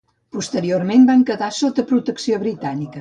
Posteriorment van quedar sota protecció britànica.